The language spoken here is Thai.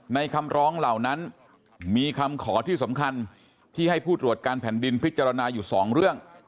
คำร้องเหล่านั้นมีคำขอที่สำคัญที่ให้ผู้ตรวจการแผ่นดินพิจารณาอยู่สองเรื่อง